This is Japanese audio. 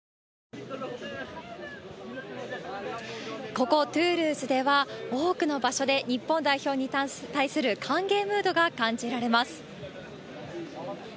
ここ、トゥールーズでは、多くの場所で、日本代表に対する歓迎ムードが感じられます。